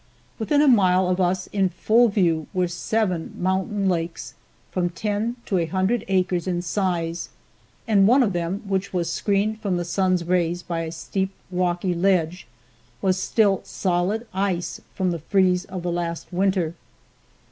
Within a mile of us in full view, were seven mountain lakes from ten to a hundred acres in size, and one of them, which was screened from the sun's rays by a steep rocky ledge, was still solid ice from the freeze of the last winter.